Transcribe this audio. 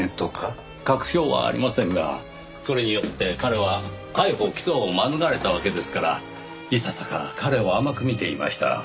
確証はありませんがそれによって彼は逮捕起訴を免れたわけですからいささか彼を甘く見ていました。